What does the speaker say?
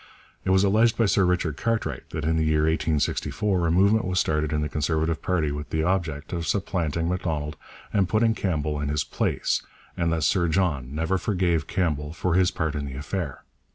It was alleged by Sir Richard Cartwright that in the year 1864 a movement was started in the Conservative party with the object of supplanting Macdonald and putting Campbell in his place, and that Sir John never forgave Campbell for his part in this affair.